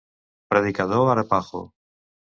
Predicador arapaho.